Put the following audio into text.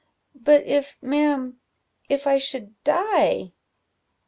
"But if, ma'am if I should die?"